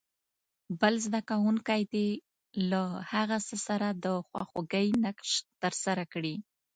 بل زده کوونکی دې له هغه سره د خواخوږۍ نقش ترسره کړي.